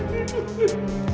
mas aku mau pergi